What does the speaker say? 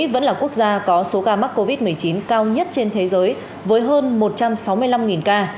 vẫn là quốc gia có số ca mắc covid một mươi chín cao nhất trên thế giới với hơn một trăm sáu mươi năm ca